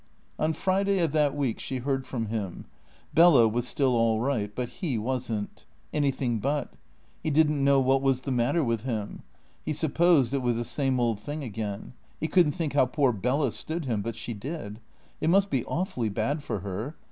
On Friday of that week she heard from him. Bella was still all right. But he wasn't. Anything but. He didn't know what was the matter with him. He supposed it was the same old thing again. He couldn't think how poor Bella stood him, but she did. It must be awfully bad for her.